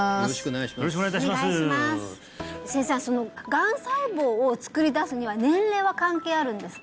がん細胞をつくり出すには年齢は関係あるんですか？